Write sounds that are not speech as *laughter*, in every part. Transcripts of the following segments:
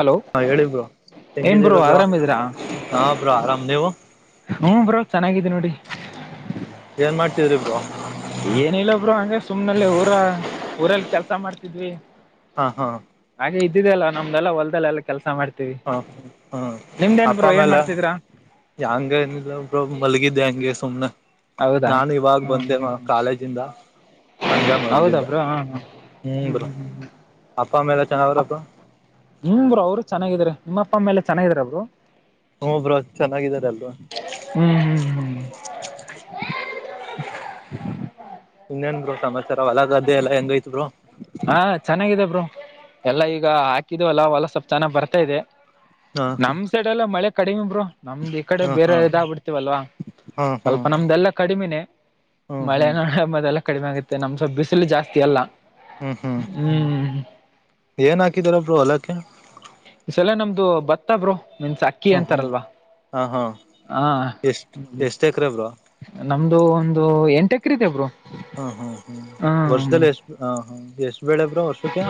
Hello ಹಾ ಹೇಳಿ bro ಏನ್ ಹೆಂಗಿದರ ಬ್ರೋ ಆರಾಮಿದೀರಾ ಹಾ ಬ್ರೋ ಆರಾಮ್ ನೀವು ಹ್ಮ ಬ್ರೋ ಚೆನ್ನಾಗಿದ್ದೆ ನೋಡಿ ಏನ್ ಮಾಡ್ತಿದ್ರಿ ಬ್ರೋ ಏನಿಲ್ಲ ಬ್ರೋ ಹಂಗೆ ಸುಮ್ನಲ್ಲಿ ಊರ ಊರಲ್ಲಿ ಕೆಲ್ಸ ಮಾಡ್ತಿದ್ವಿ ಹಾ ಹಾ ಹಾಗೆ ಇದ್ದಿದೆಲ್ಲಾ ನಮ್ದೆಲ್ಲ ಹೊಲ್ದೆಲ್ಲ ಎಲ್ಲ ಕೆಲ್ಸ ಮಾಡ್ತೀವಿ ಹಾ ಹ್ಮ ನಿಮ್ದೇನ್ ಬ್ರೋ ಏನ್ ಮಾಡ್ತಿದ್ರಾ ಹಂಗೇನಿಲ್ಲ ಬ್ರೋ ಮಲಗಿದ್ದೆ ಹಂಗೆ ಸುಮ್ನೆ ಹೌದಾ ನಾನು ಇವಾಗ ಹ್ಮ ಹ ಬಂದೆ ಹ್ಮ್ ಹ್ಮ್ ಕಾಲೇಜಿಂದ ಹಂಗೆ ಹೌದ ಮಲಗಿದ್ದೆ ಬ್ರೋ ಹಾ ಹ ಹ್ಮ್ ಹ್ಮ್ ಹ್ಮ್ ಹ್ಮ್ ಅಪ್ಪ ಮೇಲೆ ಚೆನ್ನಾಗವ್ರಪ್ಪ ಹ್ಮ ಬ್ರೋ ಅವರು ಚೆನ್ನಾಗಿದಿದ್ದಾರೆ ನಿಮ್ಮಪ್ಪ ಮೇಲೆ ಚೆನ್ನಾಗಿದಾರ ಬ್ರೋ ಹ್ಮ ಬ್ರೋ ಚೆನ್ನಾಗಿದ್ದಾರೆ ಎಲ್ಲರೂ ಹ್ಮ್ ಹ್ಮ್ ಹ *inaudible* ಇನ್ನೇನ್ ಭ್ರೂ ಸಮಾಚಾರ ಒಲಗ ಗದ್ದೆ ಎಲ್ಲ ಎಂಗೈತೆ ಬ್ರೋ ಹಾ ಚೆನ್ನಾಗಾಗಿದೆ ಬ್ರೋ ಎಲ್ಲಾ ಈಗ ಹಾಕಿದ್ ಅಲ್ಲ ಹೊಲ ಸ್ವಲ್ಪ್ ಚೆನ್ನಾಗ್ ಬರ್ತಾ ಇದೆ ಹಾ ನಮ್ ಸೈಡೆ ಎಲ್ಲಾ ಮಳೆ ಕಡಿಮೆ ಬ್ರೋ ನಮ್ದ್ ಈ ಕಡೆ ಹಾ ಬೇರೆ ಹಾ ಇದಾಗಬಿಡ್ತೀವಲ್ವಾ ಹಾ ಹಾ ಸ್ವಲ್ಪ ನಮ್ದೆಲ್ಲಾ ಕಡಿಮಿನೇ ಹ್ಮ್ ಹ್ಮ್ ಮಲೆನಾಡು ಅದೆಲ್ಲ ಕಡಿಮೆ ಆಗುತ್ತೆ ನಮ್ ಸ್ವಲ್ಪ ಬಿಸಿಲು ಜಾಸ್ತಿ ಅಲ್ಲ ಹ್ಮ್ ಹ್ಮ್ ಏನ್ ಹಾಕಿದ್ದರ ಬ್ರೋ ಹೊಲಕ್ಕೆ ಸಲ ನಮ್ದು ಭತ್ತ ಬ್ರೋ ಮೀನ್ಸ್ ಅಕ್ಕಿ ಹ್ಮ್ ಹ್ಮ್ ಅಂತಾರಲ್ವಾ ಹಾ ಹಾ ಹ ಎಷ್ಟ್ ಎಷ್ಟ್ ಎಕರೆ ಬ್ರೋ ನಮ್ದು ಒಂದು ಎಂಟ ಎಕ್ರ ಇದೆ ಬ್ರೋ ಹ್ಮ್ ಹ್ಮ್ ಹ್ಮ್ ಹ್ಮ್ ವರ್ಷದಲ್ಲಿ ಎಷ್ಟ ಹ ಹ ಎಷ್ಟ ಎಷ್ಟು ಬೇಳೆ ಬ್ರೋ ವರ್ಷಕ್ಕೆ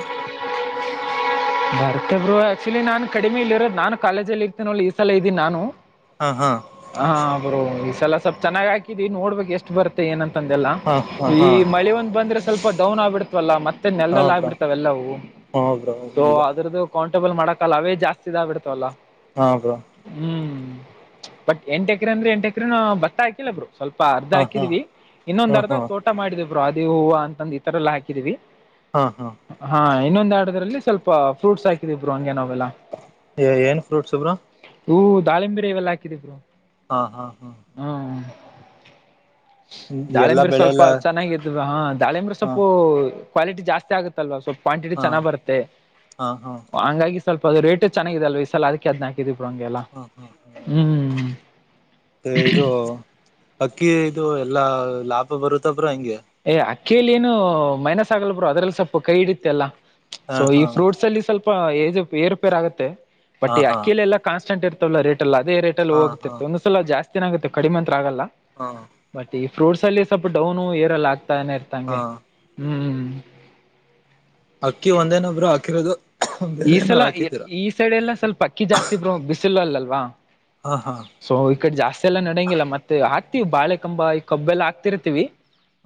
ಮತ್ತೆ ಬ್ರೋ ಆಕ್ಚುಲಿ ನಾನ ಕಡಿಮೆ ಇಲ್ಲಿ ಇರೋದ ನಾನ ಕಾಲೇಜಲ್ಲಿ ಇರ್ತೀನೋ ಈ ಸಲ ಇದೀನ ನಾನು. ಹಾ ಹಾ ಹಾ ಬ್ರೋ ಈ ಸಲ ಸ್ವಲ್ಪ್ ಚೆನ್ನಾಗ್ ಹಾಕಿದವಿ ನೋಡ್ಬೇಕಕ್ ಎಷ್ಟು ಬರುತ್ತೆ ಏನಂತ. ತಂದ ಎಲ್ಲ ಹಾ ಹಾ ಈ ಹಾ ಮಳೆ ಒಂದ್ ಬಂದ್ರೆ ಸ್ವಲ್ಪ ಡೌನ್ ಆಗ್ಬಿಡ್ತವಲ್ಲ ಮತ್ತೆ ಹಾ ನೆಲದಲ್ಲಿ ಹಕ್ ಬ್ರೋ ಬಿಡ್ತಾವಲ್ಲವು ಹಾ ಬ್ರೋ ಸೊ ನಿಜ ಅದ್ರದ್ದು ಕೌಂಟಬಲ್ ಮಾಡಕಲ್ಲ ಅವೇ ಜಾಸ್ತಿ ಇದಾಗಿ ಬಿಡ್ತಾವಲ್ಲ. ಹಾ ಬ್ರೋ. ಬಟ್ ಎಂಟ ಎಕರೆ ಅಂದ್ರೆ ಎಂಟ ಎಕರೆನ ಭತ್ತ ಹಾಕಿಲ್ಲ ಬ್ರೋ. ಸ್ವಲ್ಪ ಅರ್ಧ ಹಾ ಹಾ ಹಾಕಿದ್ವಿ ಇನ್ನೊಂದ ಹಾ ಅರ್ಧ ಹಾ ತೋಟ ಮಾಡಿದಿವ ಬ್ರೋ ಅ *unintelligible* ಹೂವು ಅಂತಂದು ಈತರ ಎಲ್ಲ ಹಾಕಿದೀವಿ. ಹಾ ಹಾ. ಇನ್ನೊಂದು ಯಾರ್ಡ್ ಅಲ್ಲಿ ಸ್ವಲ್ಪ ಫ್ರೂಟ್ಸ್ ಹಾಕಿದ ಬ್ರೋ ಹಂಗೆ ನಾವು. ಏನ್ ಫ್ರೂಟ್ಸ್ ಬ್ರೋ. ಹೂ ದಾಳಂಬ್ರಿ ಇವೆಲ್ಲ ಹಾಕಿದೀವಿ ಬ್ರೋ. ಹಾ ಹಾ ಹಾ ಹ. ಹ್ಮ್ ಎಲ್ಲಾ ದಾಳಿಂಬರಿ ಬೆಳೆ ಸ್ವಲ್ಪ ಎಲ್ಲ ಚೆನ್ನಾಗತ್ತು ಹಾ ದಾಳಿಂಬರಿ ಹಾ ಸ್ವಪು. ಕ್ವಾಲಿಟಿ ಜಾಸ್ತಿ ಆಗುತ್ತಲ್ವಾ ಸೊ ಕ್ವಾಂಟಿಟಿ ಹಾ ಚೆನ್ನಾಗಿ ಬರುತ್ತೆ ಹಾ ಹಾ ಹಂಗಾಗಿ. ಸ್ವಲ್ಪ ಅದು ರೇಟ ಚೆನ್ನಾಗಿ ಇದೆ ಅಲ್ವಿ ಈ ಸಲ್ ಅದಕ್ಕೆ ಅದನ್ ಹಾಕಿದವ ಬ್ರೋ ಹಂಗೆಲ್ಲ ಹಾ ಹಾ ಹ್ಮ್ ಹ್ಮ್ ಹ್ಮ್ಮ್. ಇದು ಅಕ್ಕಿ ಇದು ಎಲ್ಲಾ ಲಾಭ ಬರುತೋ ಬ್ರೋ ಹೆಂಗೆ. ಏ್ ಅಕ್ಕೇಲಿ ಏನು ಮೈನಸ್ ಆಗಲ್ಬೋ ಅದ್ರಲ್ಲಿ ಸ್ವಲ್ಪ ಕೈಹಿಡಿಯುತ್ತೆ ಎಲ್ಲಾ. ಹಾ ಸೊ ಈ ಹಾ ಫ್ರೂಟ್ಸ್ ಅಲ್ಲಿ ಸ್ವಲ್ಪ ಏರು ಏರುಪೇರ್ ಆಗುತ್ತೆ ಬಟ್ ಹಾ ಈ ಹಾ ಅಕ್ಕಿಲೆ ಎಲ್ಲಾ ಕಾನ್ಸ್ಟೆಂಟ್ ಇರ್ ತವಲಾ ರೇಟ್ ಅಲ್ಲ ಅದೇ ರೇಟ್ಲ್ಲಿ ಹಾ ಹಾ ಹೋಗ್ತಿತ್ತು ಒಂದ್ಸಲ ಜಾಸ್ತಿನ ಆಗುತ್ತೆ ಕಡಿಮೆ ಅಂತ್ರ ಆಗಲ್ಲ ಹಾ ಬಟ್ ಈ. ಫ್ರೂಟ್ಸ್ ಅಲ್ಲಿ ಸ್ವಲ್ಪ ಡೌನು ಏರೆಲ್ಲ ಆಗ್ತಾನೆ ಇರತ್ತ ಹಾ ಹಂಗೆ ಹ್ಮ್ ಹ್ಮ್. ಅಕ್ಕಿ ಒಂದೇನೊ ಬ್ರೋ ಹಕಿರೋದು. ಈ ಸಲ ಈ ಸೈಡೆಲ್ಲಎಲ್ಲಾ ಸ್ವಲ್ಪ ಅಕ್ಕಿ ಜಾಸ್ತಿ ಬ್ರೋ ಬಿಸಿಲ ಅಲ್ಲ ಅಲ್ವಾ. ಹಾ ಹಾ ಸ ಈ ಕಡಿ ಜಾಸ್ತ ಇಸ ಎಲ್ಲಾ ನಡಂಗಿಲ್ಲ ಮತ್ತೆ ಹಾಕತಿವಿ ಬಾಳೆ ಕಂಬ ಈ ಕಬ್ಬ ಎಲ್ಲಾ ಹಾಕ್ತಿರ್ತಿವಿ.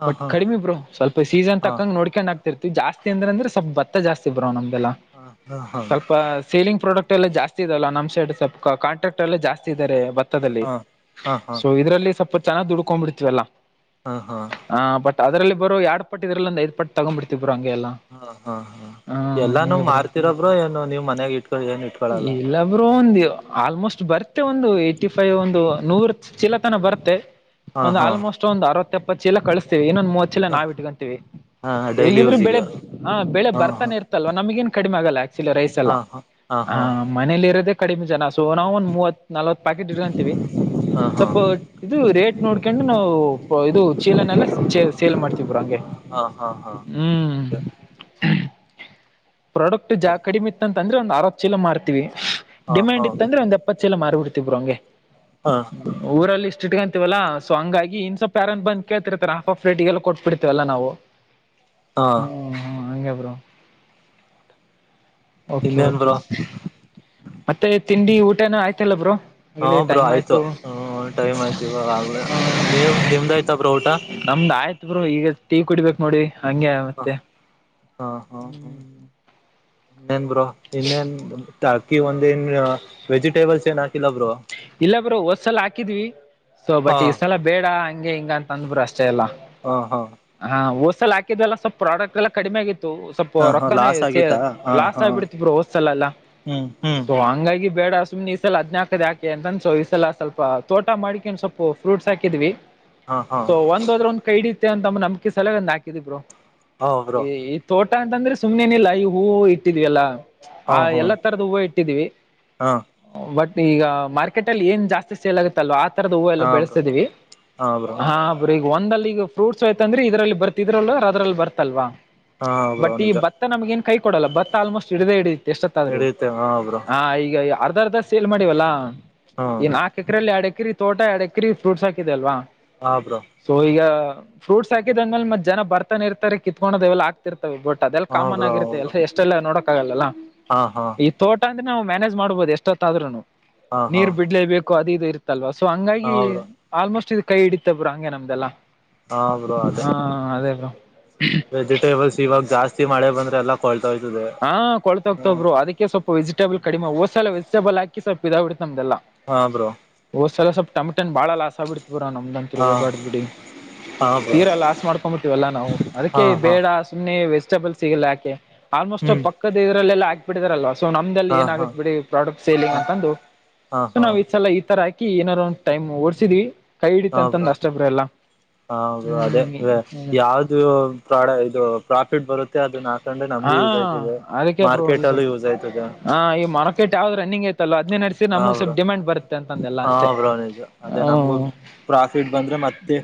ಹಾ ಬಟ್ ಹಾ ಕಡಿಮಿ ಬ್ರೋ ಸ್ವಲ್ಪ ಸೀಸನ್ ಹಾ ತಕ್ಕಕಂಗ ನೋಡ್ಕೊಂಡ್ ಆಗ್ ಜಾಸ್ತಿ ಅಂದ್ರ ಅಂದ್ರೆ ಸ್ವಲ್ಪ ಭತ್ತ ಜಾಸ್ತಿ ಬ್ರೋ ನಮ್ದಲ್ಲ ಹಾ ಹಾ ಸ್ವಲ್ಪ ಸೇಲಿಂಗ್ ಪ್ರೂ ಪ್ರಾಡಕ್ಟ್ ಅಲ್ಲ ಜಾಸ್ತಿ ಇದಲ್ಲ ನಮ್ಮ್ ಸೈಡ್ಲ್ಪ ಕಾಂಟಾಕ್ಟ್ ಅಲ್ಲಲ್ಲಿ ಜಾಸ್ತಿ ಇದಾರೆ. *unintelligible* ದಲಿ ಹಾ ಹಾ ಹಾ ಹಾ ಇದ್ರಲ್ಲಿ ಸ್ವಲ್ಪ ಚೆನ್ನಾಗ್ ದುಡ್ಕೊಂಡ್ಬಿಡ್ತವಲ್ಲ. ಹಾ ಹಾ. ಅದಲ್ಲಿ ಬರೋ ಯಡ್ ಪಟ್ಟ ಇದ್ರಲ್ಲಿ ಒಂದ ಐದ ಪಟ್ಟ ತಗೊಂಡಬಿತವಿ. ಬ್ರೋ ಹಂಗೆ ಎಲ್ಲ ಹಾ ಹಾ ಹಾ ಹ್ಮ್ ಎಲ್ಲಾನು ಹಂಗೆ ಬ್ರೋ. ಮಾರ್ತಿರೊಬ್ರು ಏನು ನೀವ್ ಮನ್ಯಾಗ ಇಟ್ಕೊ ಏನ್ ಇಟ್ಕೊಳಲ್ಲ ಇಲ್ಲ ಬ್ರೋ ಒಂದು ಆಲ್ಮೋಸ್ಟ್. ಬರುತ್ತೆ ಒಂದು ಏಟಿ ಫೈವ್ ಒಂದು ನೂರ ಚಿಲತನ ಬರುತ್ತೆ ಹಾ ಒಂದ ಹಾ ಆಲ್ಮೋಸ್ಟ್ ಒಂದ ಅರ ಹೇಪತ್ತ ಚೀಲ ಕಳಸ್ತೀವಿ ಇನ್ನೊಂದ ಮೂವತ್ತ ಚೀಲ ನಾವು ಇಟ್ಕೊಂತೀವಿ. ಹಾ ಡೈಲಿ ಹೇಗಿದ್ರು ಬೆಳೆ ಯೂಸಿಗೆ ಹ ಬೆಳೆ ಹಾ ಹಾ ಬರ್ತಾನೆ ಇರ್ತಲ್ವಾ ನಮಗೇನ್ ಕಡಿಮೆ ಆಗಲ್ಲ. ಚಲ ರೈಸ್ ಎಲ್ಲ ಹಾ ಹಾ ಹ ಹಾ ಮನೇಲಿ ಇರೋದೆೇ ಕಡಿಮಿ ಜನ. ಸೊ ನಾವವು ಒಂದ್ ಮೂವತ್ ನಲ್ವತ್ ಪ್ಯಾಕೆಟ್ ಇಟ್ಕಂತೀವಿ. ಹಾ ಹಾ ಸ್ವಪ ಹಾ ಇದು ರೇಟ್ ನೋಡ್ಕೊಂಡುೆ ನಾವು ಇದು ಚೀಲನೆ ಎಲ್ಲ ಚೆ ಸೇಲ್ ಮಾಡ್ತೀವಿ ಬ್ರೋ ಹಂಗೆ. ಹಾ ಹಾ ಹಾ ಹ್ಮ್ ಹಂಗ. ಪ್ರೊಡಕ್ಟ್ ಜಾ ಅಂತಂದ್ರೆ ಒಂದ್ ಅರವತ್ತು ಚೀಲ ಮಾರ್ತತಿವಿ ಹಾ ಡಿಮ್ಯಾಂಡ್ ಹಾ ಇತ್ತ ಅಂದ್ರೆ ಒಂದ ಎಪ್ಪತ್ತು ಚೀಲ ಮಾರಿಬಿಡ್ತಿವಿ ಬ್ರೋ ಹಂಗೆ. ಹಾ ಊರಲ್ಲಿ ಇಷ್ಟ ಇಟ್ಕೊಂಡ. ತಿವ ಅಲ್ಲ ಸೊ ಹಂಗಾಗಿ ಇನ್ ಸ್ವಲ್ಪ ಯಾರನ್ ಬಂದ ಕೇಳ್ತಿರ್ತ್ತಾರೆ ಹಾಫ್ ಹಾಫ್ ರೇಟಗೆಲ್ಲ ಕೊಟ್ಬಿಡ್ತಿವಲ್ಲ ನಾವು. ಹಾ. ಹ್ಮ್ ಹಂಗೆ ಬ್ರೋ. ಓಕೆ ಇನ್ನೇನ್ ಓಕೆ. ಬ್ರೋ ಮತ್ತೆ ತಿಂಡಿ ಊಟನ ಆಯ್ತಲ್ಲ ಬ್ರೋ ಹಾ ಇಲ್ಲಿ ಬ್ರೋ ಟೈಮ್ ಆಯ್ತು. ಹ್ಮ ಟೈಮ್ ಆಯ್ತು ಇವಾಗ ನೀವ್ ನಿಮ್ದ ಆಯ್ತಾ ಬ್ರೋ ಊಟ. ನಮ್ದು ಆಯ ಈಗ ಟೀ ಕುಡಿಬೇಕಕ್ ನೋಡಿ ಹಂಗೆ ಹಾ ಮತ್ತೆ ಹಾ ಹಾ ಹಾ ಹ್ಮ್ ಇನ್ನೇನ್ ಬ್ರೋ ಇನ್ನೇನ್ ಅಕಿ ಒಂದ ನ್ ವೆಜಿಟೇಬಲ್ಸ್ ಏನ್ ಹಾಕಿಲ್ಲ ಬ್ರೋ ಇಲ್ಲ ಬ್ರ ಒದ್ಸಲ ಹಾಕಿದ್ವಿ ಸೊ ಹಾ ಬಟ್ ಈ್ಸಲ ಬೇಡ ಹಂಗೆ ಹಿಂಗ ಅಂತ ಅಂದ್ಬ್ರರು ಅಷ್ಟ ಎಲ್ಲ ಹಾ ಹಾ ಹ ಹಊಸಲ್ ಹಾಕಿದಲ್ಲ ಸ್ವಲ್ಪ ಪ್ರಾಡಕ್ಟ್ ಎಲ್ಲ ಕಡಿಮೆ ಆಗಿತ್ತು ಸ್ವಲ್ಪ ಹಾ ಹಾ ರೊಕ್ಕನ ಲಾಸ್ ಆಗಿತಾ ಹಾ ಲಾಸ್ ಹಾ ಆಗ್ಬಿಡ್ತ ಬ್ರ ಹೊದ್ಸಲಲ್ಲ ಹ್ಮ್ ಹ್ಮ್ ಸೊ ಹಂಗಾಗಿ ಬೇಡ ಸುಮನೆ ಈಸಲ ಹದ್ಲ್ಕದಾ ಅನ್ಸೊ ಈಸಲ್ಲ ಸ್ವಲ್ಪ ತೋಟ ಮಾಡಿಕ ಒನ್ ಸ್ಲ್ ಫ್ರೂಟ್ಸ್ ಹಾಕಿದ್ವಿ ಹಾ ಹಾ ಸೊ ಒಂದ್ ಹದ್ರರು ಒಂದ್ ಕೈ ಇಡತ್ತ ಅಂತ ನಂಬಕಿ ಸಲ ಒಂದ್ ಹಾಕಿದಿಬ್ರು ಹ ಬ್ರೋ ಈ ಈ ತೋಟ ಅಂತಂದ್ರೆ ಸುಮ್ನೆನಿಲ್ಲ ಈ ಹೂ ಇಟ್ಟಿದ್ವಿಲ್ಲಾ ಹಾ ಆ ಹಾ ಎಲ್ಲಾ ತರದ ಹೂವು ಇಟ್ಟಿದೀವಿ ಹಾ ಬಟ್ ಈಗ ಮಾರ್ಕೆಟ್ ಅಲ್ಲಿ ಏನ್ ಜಾಸ್ತಿ ಸೇಲ್ ಆಗುತ್ತಲ್ವ ಆ ರದ ಹೂವು ಎಲ್ಲ ಹಾ ಬ್ರೋ ಬೆಳೆಸ್ತಿದೀವಿ ಹಾ ಬ್ರೋ ಹಾಬ್ರೀ ಈಗ ಒಂದಲ್ಲಿಗ ಫ್ರೂಟ್ಸ್ಯಐತಂದ್ರೆ ಇದರಲ್ಲಿ ಬರ್ತಿದ್ರಲ್ ಅದ್ರಲ್ಲಿ ಬರ್ತಲ್ವಾ ಹಾ ಬ್ರೋ ಬಟ್ ಈ ನಿಜ ಭತ್ತ ನಮ್ಗ ಏನ್ ಕೈ ಕೊಡಲ್ಲ ಭತ್ತ ಆಲ್ಮೋಸ್ಟ್ ಹಿಡದೆ ಹಿಡಿಯತ್ ಎಷ್ಟತ್ತಾದ್ರು ಹಿಡಿಯುತ್ತೆ ಬ್ರೋ ಹಾ ಈಗ ಅರ್ ಅದ ಸೇಲ್ ಮಾಡಿವಲ್ಲ ಹ್ಮ್ ಇನ್ ಆಾಕ ಎಕರೆೆಯಲ್ಲಿ ಎಡಕಿರಿ ತೋಟ ಎಡಕಿರಿ ಫ್ರೂಟ್ಸ್ ಹಾಕಿದೆ ಅಲ್ವಾ ಹಾ ಬ್ರೋ ಸೊ ಈಗ ಫ್ರೂಟ್ಸ್ ಹಾಕಿದ ಅಂದ್ಮೇಲೆ ಮತ್ ಜನ ಬರ್ತಾನೆ ಇರ್ತಾರೆ ಕಿತ್ಕೊಂಡೋದವೆಲ್ಲ ಆಗ್ತಿರ್ತಾರೆ ಬೋಟ್ ಅದೆಲ್ಲ ಹಾ ಕಾಮನ್ ಬ್ರೋ ಆಗಿರುತ್ತೆ ಬ್ರೋ ಎಲ್ಲ ಎಷ್ಟೆಲ್ಲ ನೋಡಕಕ್ಕಾಗಲ್ಲಾ ಹಾ ಹಾ ಅಂದ ನವು ಮ್ಯಾನೇಜ್ ಮಾಡಬಹದು ಎಷ್ಟೊತ್ತಾದನು ಹಾ ಹಾ ನೀರ್ ಬಿಡ್ಲೇಬೇಕು ಅದು ಇದು ಇರ್ತ್ತಲ್ವ ಸೊ ಹಾ ಹಂಗಾಗಿ ಬ್ರೋ ಆಲ್ಮೋಸ್ಟ್ ಇದು ಕೈ ಹಿಡಿತಬ್ರು ಹಂಗೆ ನಮ್ದಲ್ಲಾ ಹಾ ಬ್ರೋ ಅದೇ ಹಾ ಅದೇಲ್ಲ ವೆಜಿಟೇಬಲ್ಸ್ ಇವಾಗ ಜಾಸ್ತಿ ಮಾಡೆ ಬಂದ್ರೆ ಎಲ್ಲಾ ಕೊ ಹಾ ಕೊಳ್ ಹ್ತರು ಅದಕ್ಕೆ ಸ್ವಲ್ಪ ವಜಿಟಬಲ್ ಕಡಿಮೆ ಹೋಸಲ ವಜಿಟಬಲ್ಾಕಿ ಸ್ವಪ ಇದಾವ ಬಿಡ್ತೆ ನಮ್ದಲ್ಲ ಹಾ ಬ್ರೋ ಹದ್ಸಲ ಸ್ವಲ್ಪ ಇನ್ ಬಾಳ ಲಾಸಸ್ ಆಬ ಬಿಡ್ತತಿ ಬರ ನಮ್ದಂತತ್ೂ ಹಾ ಹೇಳ್ಬಾರ್ದ್ ಬಿಡಿ ಹಾ ಬ್ರೋ ತೀರಲ್ಲ ಆಸ್ ಮಾಡ್ಕೊಂಡ್ಂಬಿಟ್ಟತವಲ್ಲಾ ನಾವು ಅದಕ್ಕೆ ಹಾ ಹಾ ಬೇಡ ಸುಮ್ಮ್ನೆಸ್ ಲ್ ಸಿಗಲ್ಲ ಯಾಕೆ ಆಲ್ಮೋಸ್ಟ್ ಹ್ಮ್ ಪಕ್ಕದ ಇದರಲ್ಲ ಹಾಬ ಬಿಟ್ಟಿದಾರಲ್ಲ್ಲ ಸೊ ನಮ್ದಲ್ಲಿ ಹಾ ಹಾ ಏನಾಗುತ್ತತ್ ಬಿಡಿ ಪ್ರಾಡಕ್ಟ್ ಸೇಲಿಂಗ್ ಹ ಅಂತಂದು ಹಾ ಸೊ ಹಾ ನಾವ್ ಈ್ ಸಲ ಈ ತರ ಹಾಕ ಏಾರ ಒಂದುಓಡಸಿದ್ ಕೈ ಹಡಿತ ಅಂದ ಅಷ್ಟ ಬ್ರಲ್ಲ ಹೌದು ಅದೇ ಯಾವ್ದು ಪ್ರಾಡ ಇದು ಪ್ರಾಫಿಟ್ ಬರುತ್ತೆ ಮೆ ಅದನ್ನ ಹಾಕಂಡ್ರೆ ನಮ್ಗೂ ಹಾ ಯೂಸ್ ಆಯ್ತದೆ ಮಾರ್ಕೆಟ್ ಅಲ್ಲೂ ಯೂಸ್ ಆಯ್ತದೆ ಮೊಕೆ ಯಾವ್ದ ರನ್ನಿಂಗ್ಐತಿ ಅದ್ ನಡೆಸಿ ಹಾ ನಮ್ಗ್ ಸ್ವಲ್ಪ ಬ್ರೋ ಡಿಮಾಂಡ್ ಬರುತ್ತೆ ಅಂತಂದೆಲ್ಲ ಹಾ ಅಷ್ಟೇ ಬ್ರೋ ನಿಜ ಅದೇ ಹ ನಮ್ಗೂ ಪ್ರಾಫಿಟ್ ಬಂದ್ರೆ ಮತ್ತೆ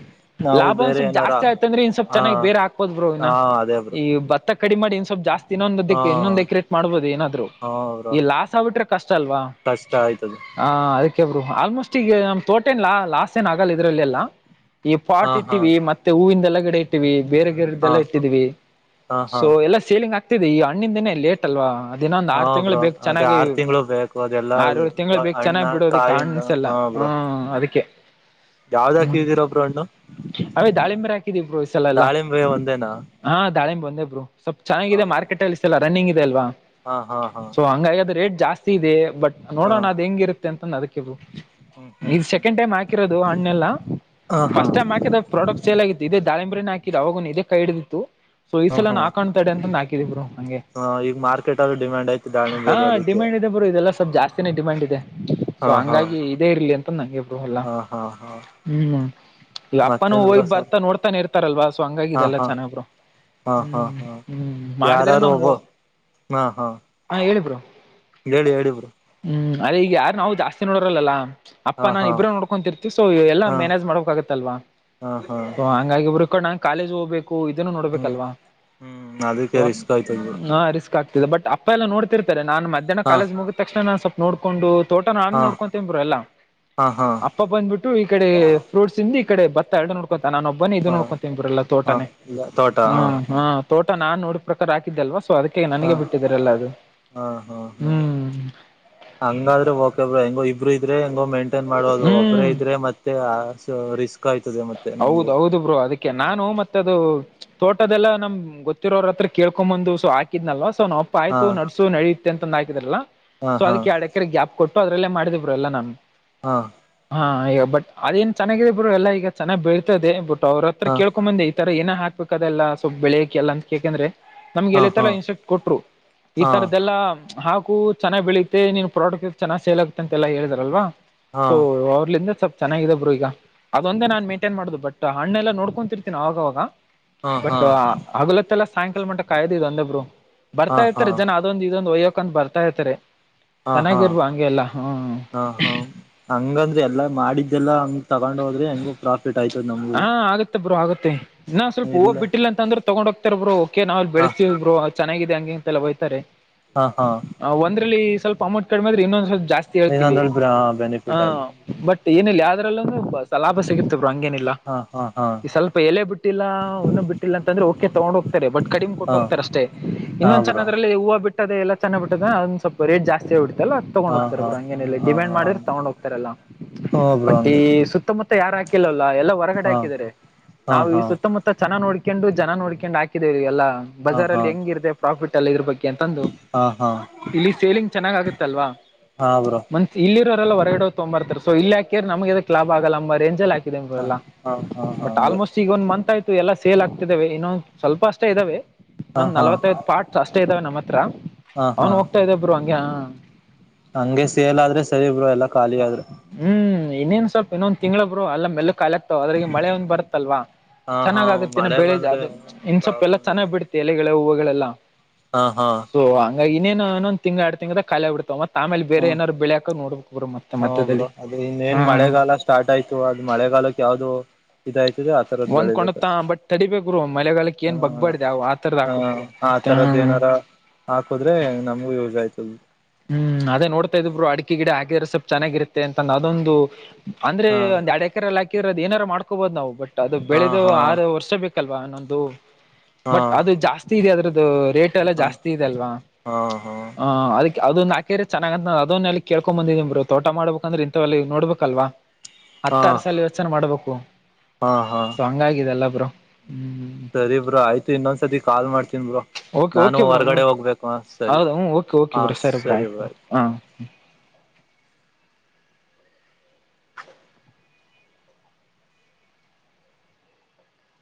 ನಾವು ಲಾಭ ಒಂದ ಬೇರೆ ಸ್ವಲ್ಪ್ ಏನಾರ ಜಾಸ್ತಿ ಆಯ್ತ ಅಂದ್ರೆ ಇನ್ ಸ್ವಲ್ಪ್ ಹಾ ಚೆನ್ನಾಗಿ ಬೇರೆ ಹಾಕ್ಕೋದ್ರು ಇನ್ನ ಹಾ ಅದೇ ಬ್ರೋ ಈ ಬ ಕಡಿಮಿ ಇ ಸ್ವಲ್ ಜಾಸ್ತಿ ಇನ್ನೊಂದ ದ ಹಾ ಇನ್ನೊಂದು ಎಕ್ರೆಟ್ ಮಾಡ್ಬೋದು ಏನಾದ್ರು ಹಾ ಬ್ರೋ ಈ ಲಾಸ್ ಆಗ್ಬಿಟ್ರೆ ಕಷ್ಟ ಅಲ್ವಾ ಕಷ್ಟ ಆಯ್ತದೆ ಹ ಅದಕ್ಕೆಬ್ರು ಆಲ್ಮೋಸ್ಟ್ ಈಗ ನಮ್ ತೋಟ ಏನ್ಲ್ಲಾ ಲಾಸ್ಟ್ ಏನ್ ಆಗಲ್ಲ ಇದ್ರಲ್ಲಿ ಎಲ್ಲ ಈ ಹಾ ಪಾಟ್ ಹಾ ಇಟ್ಟಿವಿ ಮತ್ತೆ ಹೂವಿಂದೆಲ್ಲಗಡೆ ಇಟ್ಟಿವಿ ಹಾ ಬೇರೆಗೇರೆ್ದೆಲ್ಲಾ ಇಟ್ಟಿದೀವಿ ಹಾ ಹಾ ಸೊ ಎಲ್ಲಾ ಸೇಲಿಂಗ್ ಆಗ್ತಿದೆ ಈ ಹ್ಣಿನ ದಿನೇ ಲೇಟ್ ಅಲ್ವಾ ದಿನ ಒಂದ್ ಹಾ ಆರು ತಿಂಳ ಬ್ರೋ ಬೇಕಕ್ ಅದೇ ಚೆನ್ನಾಗಿ ಆರು ತಿಂಗಳು ಬೇಕು ಅದೆಲ್ಲ ಆರು ತಿಂಳ ಬೇಕಕ್ ಹಣ್ಣ ಚೆನ್ನಾಗ್ ಬಿಡೋದ ಕಾಯಿಂದ ಕಾಣಸಲ್ಲ ಹ್ಮ ಅದಕ್ಕೆ ಯಾವ್ದ ಹ್ಮ್ ಹಾಕಿದಿರೊಬ್ರು ಹಣ್ಣು ಅವೇ ದಾಳಿಂಬರ ಹಾಕಿದೀವಿ ಬೋ ಈಸಲ ಎಲ್ಲಾ ದಾಳಿಂಬೆ ಒಂದೇನಾ ಹಾ ದಾಳಿಂಬ ಸ್ವಲ್ಪ್ ಹ ಚೆನ್ನಾಗಿದೆ ಹ ಮಾರ್ಕೆಟ್ ಅಲ್ಲಿ ಇಲ್ಲ ರನ್ನಿಂಗ್ ಇದೆ ಅಲ್ವಾ ಹಾ ಹಾ ಸೊ ಹೆ ರೇಟ್ ಜಾಸ್ತಿ ಇದೆ ಬಟ್ ಹಾ ಹಾ ನೋಡೋಣ ಅ್ ಹೆಂಗಿರುತ್ತೆ ಅಂತ ಅದಕ್ಕೆ ಇರು ಹ್ಮ್ ಹ್ಮ್ ಇದು ಹ್ಮ್ ಸೆಕೆಂಡ್ ಟೈಮ್ ಹಾಕಿರೋದು ಹಣ್ಣೆಲ್ಲ ಹ ಹಾ ಫಸ್ಟ್ ಟೈಮ್ ಹಾಕಿದ ಪ್ರಾಡಕ್ಟ್ ಸೇಲ್ ಆಗಿತ್ತು ಇದೇ ದಾಳಿಂಬರನ್ ಹಾಕಿದ ಅವಾಗೂ ಇದೇ ಕೈ ಹಿಡಿದಿತ್ತು ಸೊ ಈ ಹ್ಮ ಸಲ ಹ್ಮ ಹಾಕೊಂಡ್ ತಡೆ ಅಂತಂದು ಹಾಕಿದಿ ಬ್ರೋ ಹಂಗೆ ಹ ಈಗ ಮಾರ್ಕೆಟ್ಲ್ಲಿ ಡಿಮ್ಯಾಂಡ್ ಆಯತ ಹಾ ಡಿಮ್ಯಾಂಡ್ ಇದೆ ಬ್ರೋ ಇದೆಲ್ಲ ಸ್ವಲ್ಪ ಜಾಸ್ತಿನೇ ಡಿಮ್ಯಾಂಡ್ ಇದೆ ಸೊ ಹಾ ಹಾ ಹಂಗಾಗಿ ಇದೇ ಇರ್ಲಿ ಅಂತ ನಂಗೆ ಬ್ರೋ ಅಲ್ಲಾ ಹಾ ಹಾ ಹಾ ಹ್ಮ್ ಇಲ್ಲ ಅಪ್ಪನು ಮತ್ತೇನ್ ಬ್ರೋ ಹೋಗ್ ಸಂ ಬರ್ತಾ ನೋಡ್ತಾನ ಇರ್ತಾರಲ್ವಾ ಸೊ ಹಾ ಹಂಗಾಗಿದೆಲ್ಲ ಹಾ ಚೆನ್ನಾಗ್ರು ಹಾ ಹಾ ಹ್ಮ್ ಹಾ ಹ್ಮ್ ಮಾಡಿದ್ರ ಯಾರಾರು ನಾವು ಒಬ್ಬ ಮೂ ಹಾ ಹಾ ಹ ಹೇಳೀ ಬ್ರೋ ಹೇಳಿ ಹೇಳಿ ಬ್ರೋ ಹ್ಮ್ ಅದ ಈಗ ಯಾರ ನಾವು ಜಾಸ್ತಿ ನೋಡೋರಲ್ಲಾ ಹಾ ಅಪ್ಪಾ ನಾನ್ ಹಾ ಇಬ್ರ ನೋಡ್ಕೊತರ್ತಿವಿ ಸೊ ಎಲ್ಲ ಹಾ ಮ್ಯಾನೇಜ್ ಮಾಡ್ಕ್ ಆಗತ್ತಲ್ವಾ ಹಾ ಹಾ ಸೊ ಹಂಗಾಗಿ ಬ್ರು ಕ ನಾ ಕಾಲೇಜ್ ಹೋಗ್ಬೇಕು ಇದನ್ನು ಹ್ಮ್ ನೋಡ್ಬೇಕಲ್ವಾ ಹ್ಮ್ ಸ ಅದಕ್ಕೆ ರಿಸ್ಕ್ ಆಯ್ತದ್ ಬ್ರೋ ಹಾ ರಿಸ್ಕ್ ಆ ಬಟ್ ಅಪ್ಪ ಎಲ್ಲ ನೋಡ್ತಿರ್ತಾರೆ ನನ್ ಮಧ್ಯಾಹ್ನ ಹಾ ಕಾಲೇಜ ಮುಗಿದ ತಕ್ಷಣ ನಾನ ಸ್ವಲ್ಪ ನೋಡ್ಕೊಂಡು ತೋಟ ನಾನ ಹಾ ನೋಡ್ಕೊಂತೇ ಬ್ರೋ ಎಲ್ಲಾ ಹಾ ಹಾ ಅಪ್ಪ ಬಂದ್ಬಿಟ್ಟು ಈ ಕಡೆ ಫ್ರೂಟ್ಸ್ ಇಂದ ಕಡೆ ಭತ್ತ ಎರಡು ನೋಡ್ಕೊಂತ ನಾನು ಒಬ್ಬನೇ ಇದು ಹಾ ನೋಡ್ಕೊಂತನ್ ಬ್ರೋ ಎಲ್ಲ ಹಾ ತೋಟನೇ ತೋಟ ಹಾ ಹ್ಮ್ ತೋಟ ನಾನ್ ನೋಡ ಪ್ರಕಾರ ಹಾಕಿದ್ದಲ್ವ ಸೊ ಅದಕ್ಕೆ ಹಾ ನನಗೆ ಬಿಟ್ಟಿದ್ರಲ್ಲ ಅದು ಹಾ ಹಾ ಹಾ ಹ್ಮ್ ಹಂಗಾದ್ರೆ ಓಕೆ ಬ್ರೋ ಹೆಂಗೋ ಇಬ್ರು ಇದ್ರೆ ಹೆಂಗೋ ಮೇಂಟೈನ್ ಮಾಡೋದು ಒಬ್ಬ್ರೇ ಹ್ಮ್ ಇದ್ರೆ ಮತ್ತೆ ರಿಸ್ಕ್ ಆಯ್ತದೆ ಮತ್ತೆ ನಮಗೂ ಹೌದೌದು ಬ್ರೋ ಅದಕ್ಕೆ ನಾನು ಮತ್ತದು ತೋಟದೆಲ್ಲ ನಮ್ ಗೊತ್ತಿರೋರ ಹತ್ರ ಕೇಳ್ಕೊಂಬಂದು ಸೊ ಹಾಕಿದ್ನಲ್ವೊ ನಾವ್ ಅಪ್ಪ ಹಾ ಆಯ್ತು ನಡ್ಸು ನಡ ತಂದಂದು ಹಾಕಿದ್ರಲ್ಲ ಹಾ ಸೊ ಹಾ ಅದಕ್ಕೆ ಎರಡ್ ಎಕರೆ ಗ್ಯಾಪ್ ಕೊಟ್ಟು ಅದ್ರಲ್ಲೇ ಮಾಡಿದ್ರ ಎಲ್ಲ ನಾನು ಹಾ ಹಾ ಈಗ ಬಟ್ ಅದೇಏನ್ ಚೆನ್ನಾಗಿದೆ ಬ್ರೋ ಎಲ್ಲ ಈಗ ಚೆನ್ನಾಗಿ ಬೀಳ್ತದೆ ಬಟ್ ಅವ್ರತ್ರ ಕೇಳ್ಕೊಂಡ್ ಬಂದತ ಏ ಹಾಕ್ಬೇಕ ಅದೆಲ್ಲ ಸ್ವಲ್ಪ್ ಬೆಳಿಕ ಎ ಅಂತ ಎಕಂದ್ರೆ ನಮ್ಗೆ ಹಾ ಎಲ್ಲಿ ತಲ್ಲ ಹಾ ಇನ್ಸ್ಪೆಕ್ಟರ್ ಕೊಟ್ರು ಈ ಹಾ ತರ್ದಲ್ಲಾ ಹಾಕು ಚೆನ್ನಾಗಿ ಬೆಳೀತೆ ನೀನ್ ಪ್ರಾಡಕ್ಟ್ ಚೆನ್ನ್ ಸೇಲ್ ಆಗುತ್ತೆ ಅಂತೆ ಎಲ್ಲಾ ಹೇಳಿದ್ರಲ್ವಾ ಸೊ ಹಾ ಅವಾಲಿಂದ ಸ್ವಲ್ಪ್ ಚೆನ್ನಾಗಿದ ಬ್ರು ಈಗ ಅದೊಂದೇ ನಾನ್ ಮೇನ್ಟೇನ್ ಮಾಡುದು ಬಟ್ ಹಣ್ಣೆಲ್ಲಾ ನೋಡ್ಕೊರ್ತೀನಿ ಆಗವಾಗ ಹಾ ಹಾ ಬಟ್ ಹಾ ಹಗಲೋತಲ್ಲೇ ಸಾಯಂಕಾಲ ಮಟ್ಟ ಕಾಯ್ದ ಇ ಒಂದೊಬ್ರು ಬರ್ತಾ ಹಾ ಹಾ ಇರ್ತಾರೆ ಜನ ಹಾ ಅದೊಂದು ಇದೊಂದು ವಯ್ಯೋಕ ಅಂತ ಬರ್ತಾ ಇರ್ತಾರೆ ಹಾ ಹ ಚೆನ್ನಾಗಿರ್ರುವ ಹಂಗೆ ಎಲ್ಲಾ ಹ್ಮ ಹಾ ಹಂಗಂದ್ರೆ ಎಲ್ಲಾ ಮಾಡಿದ್ದೆಲ್ಲ ಹಂಗ ತಗೊಂಡ್ ಹೋದ್ರೆ ಹೆಂಗು ಪ್ರಾಫಿಟ್ ಆಯ್ತದ ನಮಗೂ ಹಾ ಆಗತ್ತೆ ಬ್ರೋ ಆಗತ್ತೆ ಇನ್ನ ಸ್ವಲ್ಪ ಹೂ ಇಲ್ಲ ಬಿಟ್ಟಿಲ್ಲ ಅಂತ ಅಂದ್ರೆ ತೊಗೊಂಡ್ ಹೋಗ್ತಾರ ಬ್ರೋ ನಾವ ಹ ಬೆಳೆಸತೀವ ಬ್ರೋ ಚೆನ್ನಾಗಿದೆ ಹಂಗೆ ಅಂತೆಲ್ಲ ಹೋತಾರೆ ಹಾ ಹಾ ಒಂದ್ರಲ್ಲಿ ಸ್ವಲ್ಪ ಅಮೌಂಟ್ ಕಡಿಮೆ ಬಿದ್ರು ಇನ್ನೊಂದ್ ಜಾಸ್ತಿ ಹೇಳ್ತೀವಿ ಇನ್ನೊಂದೊಳ ಹ ಬೆನಿಫಿಟ್ ಆಗ ಬಟ್ ಏನಿಲ್ಲ ಯಾವ್ದ್ರಲ್ಲಂದ ಸಲಾಭ ಸಿಗುತ್ತ ಬರು ಹಂಗೇನಿಲ್ಲ ಹಾ ಹಾ ಹಾ ಈ ಸ್ವಲ್ಪ ಎಲೆ ಬಿಟ್ಟಿಲ್ಲ ಇನ್ನ ಬಿಟ್ಟಿಲ್ಲ ಅಂತಂದ್ರೆ ಓಕೆ ತಗೊಂಡ್ ಹೋಗ್ತಾರೆ ಬಟ್ ಕಡಿಮೆ ಕೊಟ್ಟ ಹಾ ಹೋಗ್ತಾರೆ ಅಷ್ಟೇ ಹಾ ಇನ್ನಂದ ಬ್ರೋ ಚನ್ನದ್ರಲ್ಲಿ ಹೂವು ಬಿಟ್ಟದದೆ ಎಲ್ಲ ಚೆನ್ನ ಬಿಟ್ಟದ ಅದ್ ಸ್ವಲ್ಪ ರೇಟ್ ಜಾಸ್ತಿ ಆ ಹೊಡ್ತ ತಗೊಂಡ್ ಹಾ ಹೋಗ್ತಾರ ಹಾ ಬ್ರೋ ಹಂಗೇನ ಹಾ ಡಿಮ್ಯಾಂಡ್ ಹಾ ಮಾಡಿದ್ರೆ ತಗೊಂಡ್ ಹೋಗ್ತಾರಲ್ಲ ಹಾ ಬ್ರೋ ಬಟ್ ಈ ಹಂಗೆ ಸುತ್ತಮುತ್ತ ಯಾರು ಹಾಕಿಲ್ಲಲ್ಲ ಎಲ್ಲಾ ಹೊರಗಡೆ ಹಾ ಹಾಕಿದಿದ್ದಾರೆ ಹಾ ನಾವು ಈ ಹಾ ಸುತ್ತಮುತ್ತ ಚೆನ್ನಾಗಿ ನೋಡ ಹಾಕೊಂಡು ಜನ ನೋಡ್ಕೊಂಡು ಹಾಕಿದೇವ ಎಲ್ಲಾ ಬಾರ ಹಾ ಅಲ್ಲಿ ಹೆಂಗಿ ಇತದೆ ಪ್ರಾಫಿಟ್ ಅಲ್ಲ ಇದ್ರ ಬಗ್ಗೆ ತ ಹಾ ಹಾ ಹಾ ಇಲ್ಲಿ ಸೇಲಿಂಗ್ ಚೆನ್ನಾಗ್ ಆಗುತ್ತ ಅಲ್ವಾ ಹಾ ಬ್ರೋ ಇಲ್ಲಿ ಇರೆಲ್ಲ ಹೊರಗಡೆ ಹೋಗಿ ತೊಂಬರ್ತಾರೆ ಸೊ ಇಲ್ಲಿ ಹಾಕ್ಯರ್ ನಮಗೆ ಎದಕ್ಕೆ ಲಾಬ್ ಆಗಲ್ಲ ಅ ಮ ರೇಜಲ್ ಹಾಕಿದೆಲ್ಲ ಹ ಬ್ರೋ ಹಾ ಹಾ ಹಾ ಬಟ್ ಹಂಗೆ ಆಲ್ಮೋಸ್ಟ್ ಈಗ ಒಂದ್ ಮಂತ್ ಆಯ್ತು ಎಲ್ಲಾ ಸೇಲ್ ಆಗ್ತಿದ್ದಾವೆ ಇನ್ನೊ ಸ್ವಲ್ಪ ಅಷ್ಟೇ ಇದ್ದಾವೆ ಹಾ ಇನ್ನೊಂದ್ ಹಾ ನಲ್ವತ್ತೈ ಪಾರ್ಟ್ಸ್ ಅಷ್ಟೇ ಇದ್ದಾವೆ ನಮ್ಮ ಹತ್ರ ಹಾ ಹಾ ಅವನು ಹೋಗ್ತಾ ಇದ್ದ ಬ್ರೋ ಹಂಗಗೆ ಹಂಗೆ ಸೇಲ್ ಆದ್ರೆ ಸರಿ ಬ್ರೋ ಎಲ್ಲಾ ಖಾಲಿ ಆದ್ರರೇ ಹ್ಮ್ ಇನ್ನೇನ್ ಸ್ವಲ್ಪ ಇನ್ನೊಂದ್ ತಿಂಗಳು ಬ್ರೋ ಅಲ್ಲ ಮೆಲ್ಲಗ ಕಾಲಿಆಗತ್ತಾ ಅದ್ರಿಲಿ ಈಗ ಮಳೆ ಒಂದ್ ಬರುತ್ತಲ್ವಾ ಹಾ ಹಾ ಚೆನ್ನಾಗ್ ಆಗತ್ತೆನ ಮಳೆ ಬೆಳೆ ಬಂದ್ರೆ ಅದು ಇನ್ ಸ್ವಲ್ಪ್ ಎಲ್ಲಾ ಪ್ರಾಬ್ಲಮ್ ಇಲ್ಲ ಚೆನ್ನಗ್ ಬಿಡುತ್ತೆ ಎಲೆಗಳ ಹೂವುಗಳೆಲ್ಲಾ ಹಾ ಹಾ ಇನ್ನೇನ ಇನು ನೊಂದು ತಿಂಗಳ ಎಡ್ ತಿಂಗಳ ಖಾಲಿ ಆಗಿ ಬಿಡತಾವ ಮತ್ತ ಆಮೇಲೆ ಬೇರೆ ಹ್ಮ ಏದರು ಬೆಳೆಕ ನೋಡ್ಕ್ ಬ ಹ ಮತ್ತೆ ಬ್ರೋ ಮಧ್ಯದಲ್ಲಿ ಅದು ಹಾ ಇನ್ನೇನ್ ಮಳೆಗಾಲ ಸ್ಟಾರ್ಟ್ ಆಯ್ತು ಅದು ಮಳೆಗಾಲಕ್ಕೆ ಯಾವ್ದು ಇದು ಆ ತರದ ಹೊಂದ್ಕೊಂಡತ್ತ ಬೆಳಿಬೇಕಷ್ಟ ಬಟ್ ತಡಿಬೇಕ್ ಬ್ರೋ ಮಳೆಗಾಲಕ್ಕೆ ಏನ್ ಬಗ್ಬಾರ್ದು ಯಾವ ಆತರದ್ ಹಾಕ್ಬೇಕ್ ಬ್ರೋ ಆ ಮತ್ತ ತರದೆ ಏನಾರ ಹಾಕದ್ರೆ ನಮಗೂ ಯೂಸ್ ಆಯ್ತು ಹ್ಮ್ ಅದೇ ನೋಡ್ತಾ ಇದ್ರು ಅಡಿಕೆ ಗಿಡ ಹಾಕಿದರ ಸ್ವಲ್ಪ ಚೆನ್ನಾಗಿರುತ್ತೆ ಅಂತಂದ ಅದೊಂದು ಅಂದ್ರೆ ಒಂದ್ ಎಡ್ ಎಕರೆಲ್ಲಿ ಹಾಕಿರೋದದು ಏನಾರರು ಮಾಡ್ಕೋಬಹದು ನಾವು ಬಟ್ ಅದು ಹಾ ಬೆಳೆದು ಹಾ ಆರು ವರ್ಷ ಬೇಕು ಅಲ್ವಾ ಒಂದು ಹಾ ಬಟ್ ಅದು ಹಾ ಜಾಸ್ತಿ ಇದೆ ಅದ್ರದ್ದ ರೇಟ್ ಎಲ್ಲ ಹಾ ಜಾಸ್ತಿ ಇದೆಲ್ವಾ ಹಾ ಹ ಹಾ ಅದ್ಕೇ ಅದೊಂದು ಹಾಕೇರಿ ಚೆನ್ನಾಗ ಅಂತ ಅದನ್ನ ಅಲ್ಲಿ ಕಳ್ಕೊಂಡೊ ಬಂದಿದೀ ಬರು ತೋಟ ಮಾಡಬೇಕಂದ್ರ ಇಥವ ಅ ನೋಡ್ಬೇಕಲ್ವಾ ಹಾ ಹತ್ತಾರು ಸಲ ಯೋಚನೆ ಮಾಡ್ಬೇಕು ಹಾ ಹಾ ಸೊ ಹಂಗಾಗಿದೆಲ್ಲ ಬ್ರೋ ಹ್ಮ್ ಸರಿ ಬ್ರೋ ಆಯ್ತು ಇನ್ನೊಂದ್ಸತಿ ಕಾಲ್ ಮಾಡ್ತೀನಿ ಬ್ರೋ ಓಕೆ ನಾನು ಓಕೆ ಬ್ರೋ ನೀವು ಹೊರ್ಗಡೆ ಹೋಗ್ಬೇಕು ಹ ಸರಿ ಹೌದಾ ಹ್ಮ್ ಓಕೆ ಓಕೆ ಹಾ ಬ್ರೋ ಸರಿ ಬ್ರೋ ಆಯ್ತು ಹಾ ಹ